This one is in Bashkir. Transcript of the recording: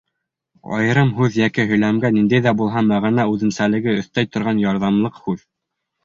Айырым һүҙ йәки һөйләмгә ниндәй ҙә булһа мәғәнә үҙенсәлеге өҫтәй торған ярҙамлыҡ һүҙ.